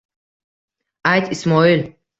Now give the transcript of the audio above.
Ayt, Ismoil.